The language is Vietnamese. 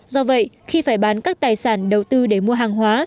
do vậy khi phải bán các tài sản đầu tư để mua hàng hóa